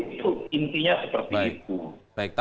itu intinya seperti itu